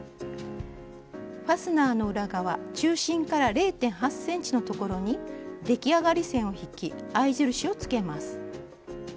ファスナーの裏側中心から０．８ｃｍのところに出来上がり線を引き合い印をつけます。